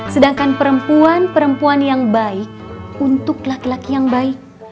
sedangkan perempuan perempuan yang baik untuk laki laki yang baik